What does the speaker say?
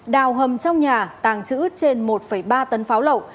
đào hầm trong nhà tàng trữ trên một ba tấn pháo lậu